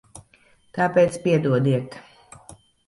Tāpēc piedodiet.